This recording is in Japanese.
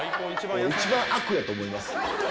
一番悪やと思います。